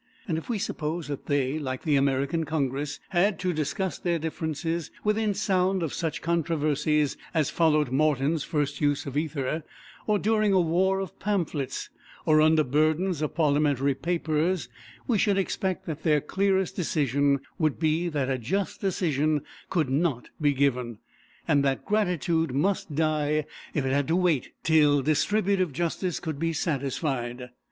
And if we suppose that they, like the American Congress, had to discuss their differences within sound of such controversies as followed Morton's first use of ether, or during a war of pamphlets, or under burdens of parliamentary papers, we should expect that their clearest decision would be that a just decision could not be given, and that gratitude must die if it had to wait till distributive justice could be satisfied.